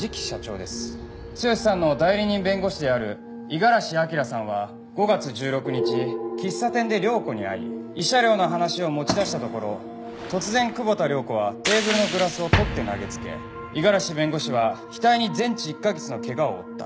剛さんの代理人弁護士である五十嵐明さんは５月１６日喫茶店で涼子に会い慰謝料の話を持ち出したところ突然久保田涼子はテーブルのグラスを取って投げつけ五十嵐弁護士は額に全治１カ月の怪我を負った。